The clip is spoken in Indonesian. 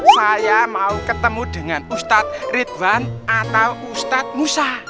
saya mau ketemu dengan ustaz ridwan atau ustaz musa